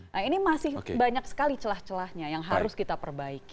nah ini masih banyak sekali celah celahnya yang harus kita perbaiki